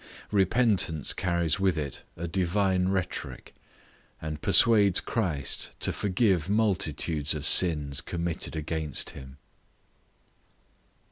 Repentance carries with it a divine rhetoric, and persuades Christ to forgive multitudes of sins committed against him.